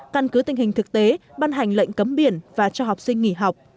căn cứ tình hình thực tế ban hành lệnh cấm biển và cho học sinh nghỉ học